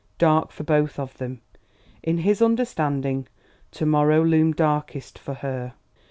Dark for both of them, in his understanding To morrow loomed darkest for her.